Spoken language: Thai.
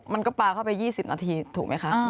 มันก็ปลาเข้าไป๒๐นาทีถูกไหมคะ